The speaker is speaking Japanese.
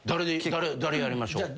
誰やりましょう？